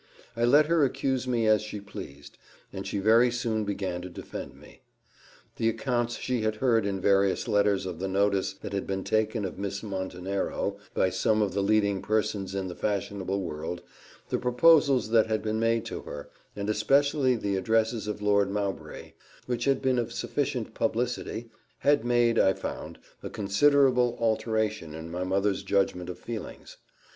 I let her accuse me as she pleased and she very soon began to defend me. The accounts she had heard in various letters of the notice that had been taken of Miss Montenero by some of the leading persons in the fashionable world, the proposals that had been made to her, and especially the addresses of Lord Mowbray, which had been of sufficient publicity, had made, I found, a considerable alteration in my mother's judgment or feelings.